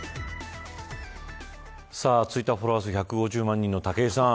さあツイッターフォロワー数１５０万人の武井さん